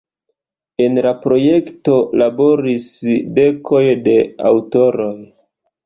En la projekto laboris dekoj de aŭtoroj.